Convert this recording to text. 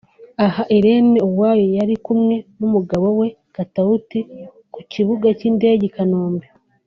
Aha Irene Uwoya yari kumwe n'umugabo we Katauti ku kibuga cy'indege i Kanombe